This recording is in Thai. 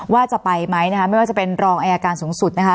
ว่าจะไปไหมนะคะไม่ว่าจะเป็นรองอายการสูงสุดนะคะ